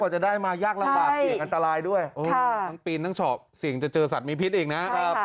กว่าจะได้มายากละบัดเห็นอันตรายด้วยทั้งปีนทั้งเฉาะสิ่งจะเจอสัตว์มีพิษอีกนะ